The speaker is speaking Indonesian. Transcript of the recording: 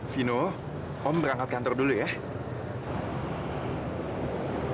vino om berangkat kantor dulu ya